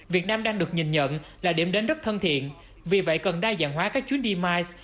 việt nam đang được nhìn nhận là điểm đến rất thân thiện vì vậy cần đa dạng hóa các chuyến đi mice